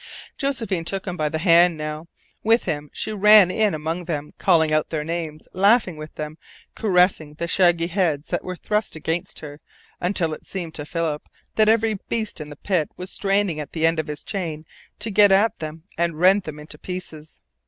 Josephine took him by the hand now. With him she ran in among them, calling out their names, laughing with them, caressing the shaggy heads that were thrust against her until it seemed to Philip that every beast in the pit was straining at the end of his chain to get at them and rend them into pieces.